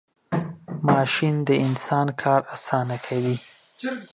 ماشین د انسان کار آسانه کوي .